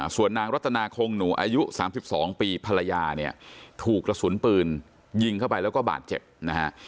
ส่วนนางรัตนาคงหนูอายุ๓๒ปีภรรยาเนี่ยถูกกระสุนปืนยิงเข้าไปแล้วก็บาดเจ็บนะฮะ